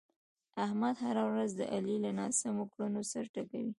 احمد هره ورځ د علي له ناسمو کړنو سر ټکوي.